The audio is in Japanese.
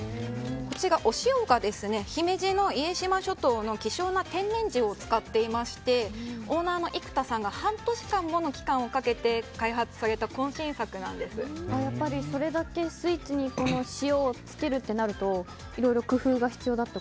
こちら、お塩が姫路の家島諸島の希少な天然塩を使っていましてオーナーの方が半年間もの期間をかけて開発されたやっぱりそれだけスイーツに塩をつけるとなると工夫が必要